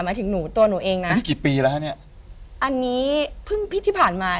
หมายถึงหนูตัวหนูเองนะนี่กี่ปีแล้วฮะเนี้ยอันนี้เพิ่งผิดที่ผ่านมา